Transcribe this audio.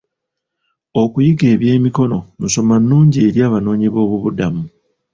Okuyiga eby'emikono nsoma nnungi eri abanoonyiboobubudamu.